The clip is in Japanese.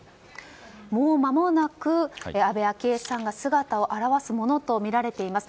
もうまもなく安倍昭恵さんが姿を現すものとみられています。